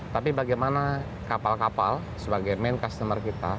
tapi bagaimana kapal kapal sebagai main customer kita